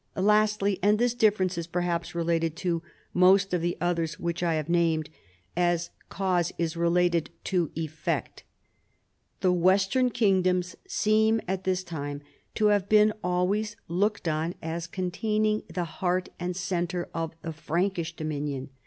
Lastly — and this difference is perhaps related to most of the others which I have named, as cause is related to effect — the western kingdoms seem at this time to have been always looked on as containing the heart and centre of the Frankish dominion.